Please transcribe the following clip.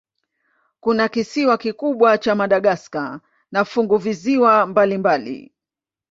Kuna kisiwa kikubwa cha Madagaska na funguvisiwa mbalimbali.